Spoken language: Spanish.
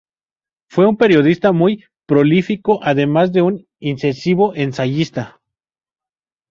Fue un periodista muy prolífico, además de un incisivo ensayista.